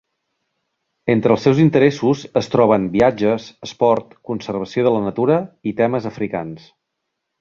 Entre els seus interessos es troben viatges, esport, conservació de la natura i temes africans.